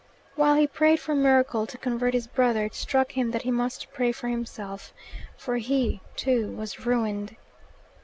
While he prayed for a miracle to convert his brother, it struck him that he must pray for himself. For he, too, was ruined.